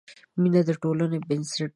مینه د ټولنې بنسټ دی.